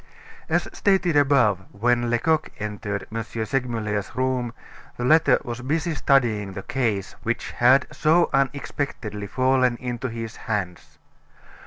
As stated above, when Lecoq entered M. Segmuller's room the latter was busy studying the case which had so unexpectedly fallen into his hands.